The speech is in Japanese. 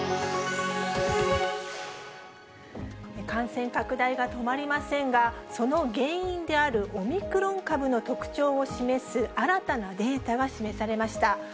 感染拡大が止まりませんが、その原因であるオミクロン株の特徴を示す新たなデータが示されました。